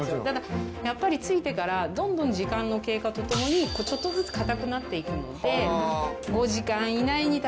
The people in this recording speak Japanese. ただやっぱりついてからどんどん時間の経過とともにちょっとずつ硬くなっていくので。